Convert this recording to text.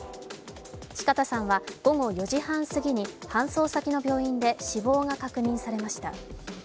四方さんは午後４時半過ぎに搬送先の病院で死亡が確認されました。